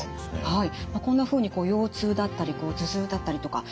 はい。